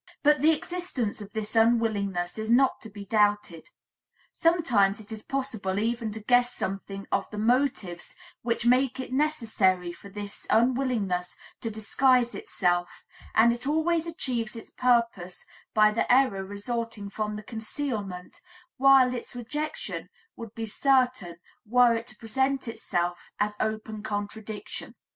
But the existence of this unwillingness is not to be doubted. Sometimes it is possible even to guess something of the motives which make it necessary for this unwillingness to disguise itself, and it always achieves its purpose by the error resulting from the concealment, while its rejection would be certain were it to present itself as open contradiction.